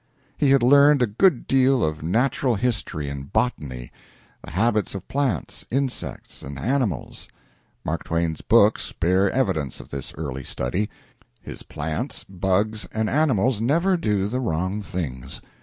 He had learned a good deal of natural history and botany the habits of plants, insects, and animals. Mark Twain's books bear evidence of this early study. His plants, bugs, and animals never do the wrong things.